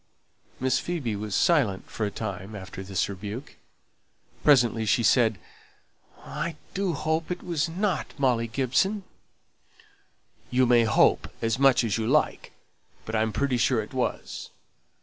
Miss Phoebe was silent for a time after this rebuke. Presently she said, "I do hope it wasn't Molly Gibson." "You may hope as much as you like, but I'm pretty sure it was.